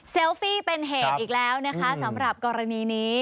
ฟี่เป็นเหตุอีกแล้วนะคะสำหรับกรณีนี้